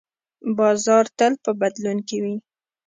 بازار تل په بدلون کې وي.